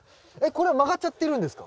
これ曲がっちゃってるんですか？